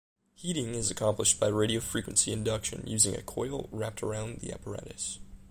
Heating is accomplished by radio frequency induction using a coil wrapped around the apparatus.